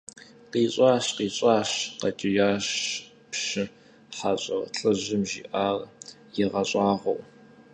КъищӀащ! КъищӀащ! – къэкӀиящ пщы хьэщӀэр, лӀыжьым жиӀар игъэщӀагъуэу.